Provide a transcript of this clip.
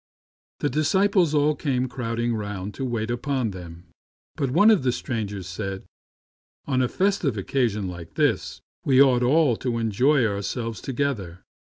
The disciples all came crowding round to wait upon them, but one of the strangers said, " On a festive occasion like this we ought all to enjoy ourselves to gether."